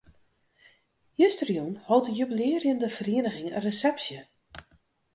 Justerjûn hold de jubilearjende feriening in resepsje.